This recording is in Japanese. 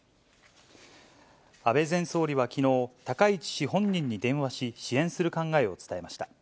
安倍前総理はきのう、高市氏本人に電話し、支援する考えを伝えました。